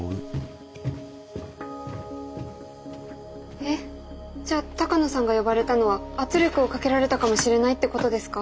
えっじゃあ鷹野さんが呼ばれたのは圧力をかけられたかもしれないってことですか？